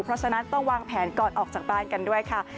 เพราะฉะนั้นต้องวางแผนก่อนออกจากบ้านกันด้วยค่ะ